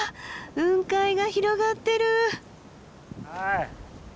雲海が広がってる！